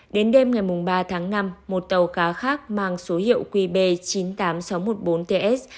đến đêm ngày ba tháng năm một tàu cá khác mang số hiệu qb chín mươi tám nghìn sáu trăm một mươi bốn ts